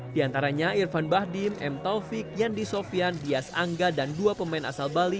di antaranya irfan bahdim m taufik yandi sofian dias angga dan dua pemain asal bali